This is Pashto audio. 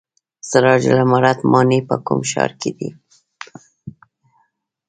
سراج العمارت ماڼۍ په کوم ښار کې ده؟